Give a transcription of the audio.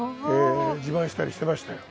自慢したりしてましたよ。